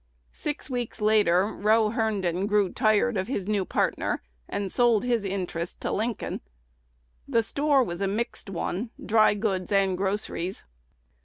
Six weeks later Row Herndon grew tired of his new partner, and sold his interest to Lincoln. The store was a mixed one, dry goods and groceries.